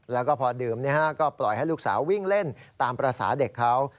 แล้วก็พอดื่มก็ปล่อยให้ลูกสาววิ่งเล่นตามภาษาเด็กเขา